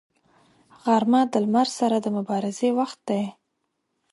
غرمه د لمر سره د مبارزې وخت دی